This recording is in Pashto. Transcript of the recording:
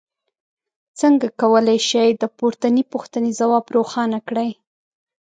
څنګه کولی شئ د پورتنۍ پوښتنې ځواب روښانه کړئ.